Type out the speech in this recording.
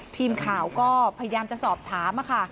ทีมข่าวก็พยายามจะสอบถามค่ะ